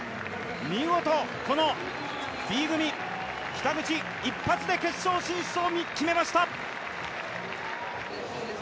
見事、このＢ組、北口１発で決勝進出を決めました。